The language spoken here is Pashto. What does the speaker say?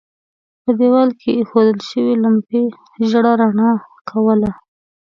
په دېوال کې اېښودل شوې لمپې ژېړه رڼا کوله.